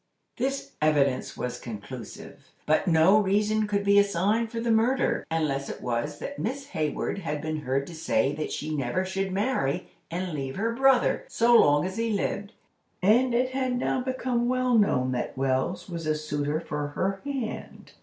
This evidence was conclusive. But no reason could be assigned for the murder, unless it was that Miss Hayward had been heard to say that she never should marry and leave her brother so long as he lived, and it had now become well known that Wells was a suitor for her hand.